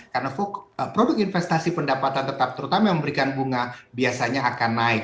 karena produk investasi pendapatan tetap terutama yang memberikan bunga biasanya akan naik